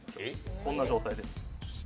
こんな状態です。